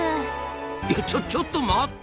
いやちょちょっと待った！